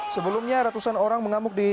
sebelumnya ratusan orang mengamuk di